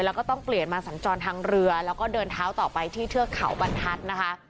แล้วก็ต้องเปลี่ยนมาสัญจรทางเรือแล้วก็เดินเท้าต่อไปที่เทือกเขาบรรทัศน์นะคะ